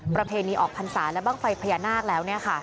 ประเภทนี้ออกพันธ์ศาสตร์และบ้างไฟพญานาคแล้ว